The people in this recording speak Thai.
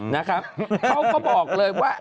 นะครับเขาก็บอกเลยว่า